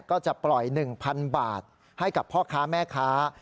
ก็จะปล่อย๑๐๐๐บาทให้กับพ่อค้าแม่ค้า